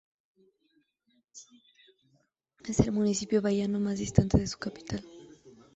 Es el municipio bahiano más distante de su capital.